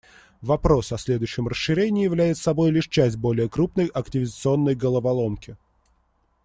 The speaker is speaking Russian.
Вопрос о следующем расширении являет собой лишь часть более крупной активизационной головоломки.